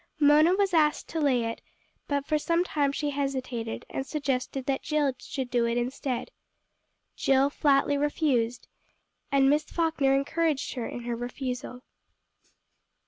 Mona was asked to lay it, but for some time she hesitated, and suggested that Jill should do it instead. Jill flatly refused, and Miss Falkner encouraged her in her refusal.